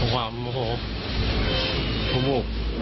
ความโมโภภูมิบุค